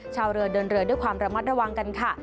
ชาวเรือเดินเรือด้วยความระมัดระวังกันค่ะ